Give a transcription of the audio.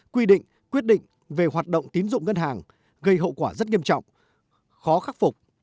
quy định quyết định về hoạt động tín dụng ngân hàng gây hậu quả rất nghiêm trọng khó khắc phục